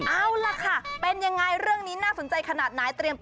เอาล่ะค่ะเป็นอย่างไรเรื่องนี้น่าสนใจขนาดไหน